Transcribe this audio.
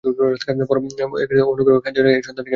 পরম পিতার অসীম অনুগ্রহকে কাজে লাগিয়ে, এই শয়তানকে মেরে ফেলব আমি!